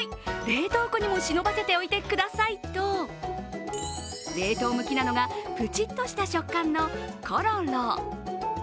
冷凍庫にも忍ばせておいてくださいと、冷凍向きなのがプチッとした食感のコロロ。